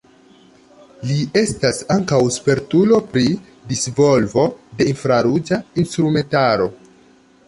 Li estas ankaŭ spertulo pri disvolvo de infraruĝa instrumentaro.